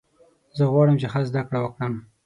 زه غواړم چې ښه زده کړه وکړم.